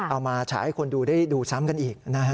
มาฉายให้คนดูได้ดูซ้ำกันอีกนะฮะ